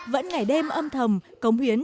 vẫn ngày đêm âm thầm công huyến